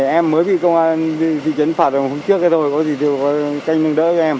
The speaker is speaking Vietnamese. em mới bị công an di chuyển phạt hôm trước rồi có gì thì có canh đường đỡ cho em